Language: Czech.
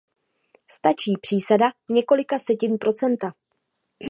Stačí přísada několika setin procenta.